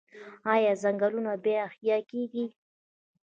آیا ځنګلونه بیا احیا کیږي؟